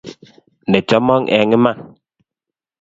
Ne chama eng' iman.